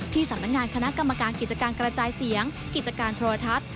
สำนักงานคณะกรรมการกิจการกระจายเสียงกิจการโทรทัศน์